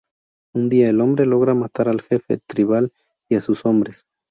Un día, el hombre logra matar al jefe tribal y a sus hombres.